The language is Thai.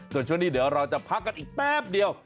ส่วนช่วงนี้เดี๋ยวเราจะพักกันอีกแป๊บเดียว